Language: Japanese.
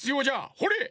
ほれ！